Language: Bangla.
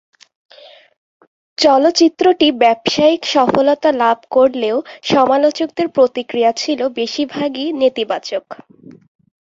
চলচ্চিত্রটি ব্যবসায়িক সফলতা লাভ করলেও সমালোচকদের প্রতিক্রিয়া ছিল বেশিরভাগই নেতিবাচক।